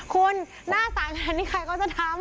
คุณหน้าใสขนาดนี้ใครก็จะทำ